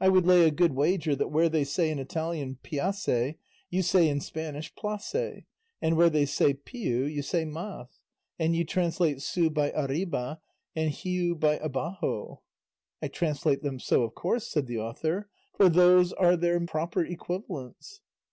I would lay a good wager that where they say in Italian piace you say in Spanish place, and where they say piu you say mas, and you translate su by arriba and giu by abajo." "I translate them so of course," said the author, "for those are their proper equivalents."